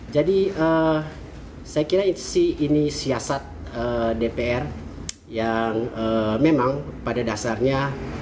jadi saya kira ini siasat dpr yang memang pada dasarnya